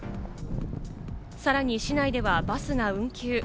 さらに市内ではバスが運休。